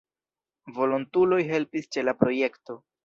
Volontuloj helpis ĉe la projekto.